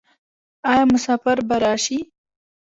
آیا مسافر به راشي؟